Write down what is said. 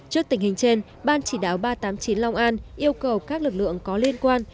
trước tình hình trên ban chỉ đáo ba trăm tám mươi chín long an yêu cầu các lực lượng có liên quan